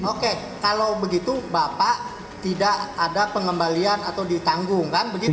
oke kalau begitu bapak tidak ada pengembalian atau ditanggung kan begitu